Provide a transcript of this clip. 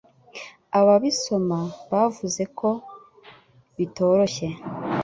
ababisoma bavuze ko bitoroshye